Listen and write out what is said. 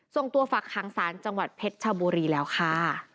ส่งตัวฝักขังศาลจังหวัดเพชรชบุรีแล้วค่ะ